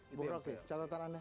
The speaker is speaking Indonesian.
ibu roksi catatan anda